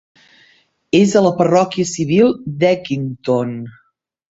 És a la parròquia civil d'Eckington.